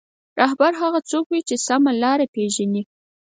رهبر هغه څوک وي چې سمه لاره پېژني.